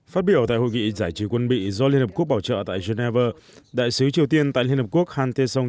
phát biểu tại hội nghị giải trí quân bị do liên hợp quốc bảo trợ tại geneva đại sứ triều tiên tại liên hợp quốc han tae sung cho rằng